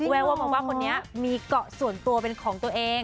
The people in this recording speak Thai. แววมาว่าคนนี้มีเกาะส่วนตัวเป็นของตัวเอง